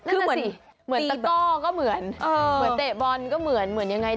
เหมือนตะกอก็เหมือนเตะบอลกันก็เหมือน